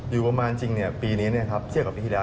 อยู่ประมาณจริงปีนี้เทียบกับปีที่แล้ว